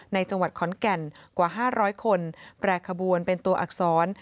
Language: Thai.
ในจังหวัดขอนแก่นกว่า๕๐๐คนแปรขบวนเป็นตัวอักษร